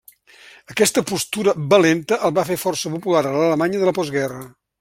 Aquesta postura valenta el va fer força popular a l'Alemanya de la postguerra.